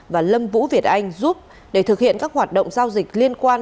và lâm vũ việt anh giúp để thực hiện các hoạt động giao dịch liên quan